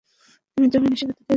আমি জামিন হিসেবে তাদের লোক চাইব।